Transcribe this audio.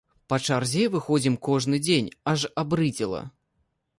Па чарзе выходзім кожны дзень, аж абрыдзела.